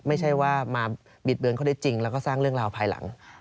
ไม่ใช่ว่ามาบิดเบือนเขาได้จริงแล้วก็สร้างเรื่องราวภายหลัง